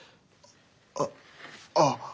あっああ。